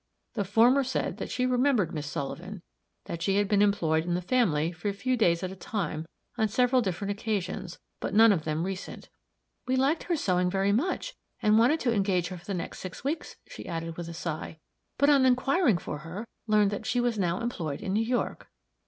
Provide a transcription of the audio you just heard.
The former said that she remembered Miss Sullivan; that she had been employed in the family, for a few days at a time, on several different occasions, but none of them recent. "We liked her sewing very much, and wanted to engage her for the next six weeks," she added, with a sigh, "but on inquiring for her, learned that she was now employed in New York."